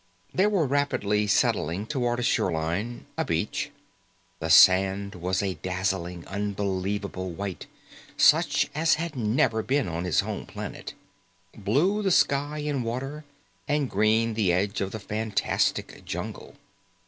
They were rapidly settling toward a shoreline, a beach. The sand was a dazzling, unbelievable white such as had never been on his home planet. Blue the sky and water, and green the edge of the fantastic jungle.